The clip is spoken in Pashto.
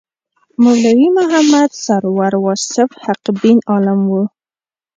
مولوي محمد سرور واصف حقبین عالم و.